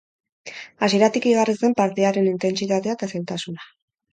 Hasieratik igarri zen partidaren intentsitatea eta zailtasuna.